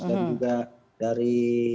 dan juga dari